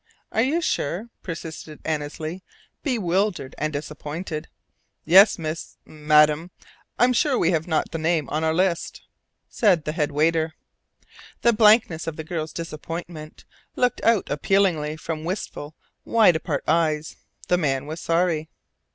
"Are you sure?" persisted Annesley, bewildered and disappointed. "Yes, miss madame, I am sure we have not the name on our list," said the head waiter. The blankness of the girl's disappointment looked out appealingly from wistful, wide apart eyes. The man was sorry.